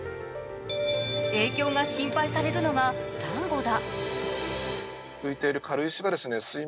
影響が心配されるのがさんごだ。